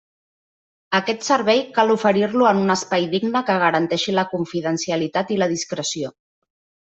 Aquest servei cal oferir-lo en un espai digne que garanteixi la confidencialitat i la discreció.